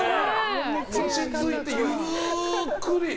落ち着いてゆっくりと。